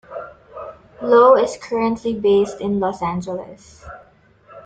Low is currently based in Los Angeles.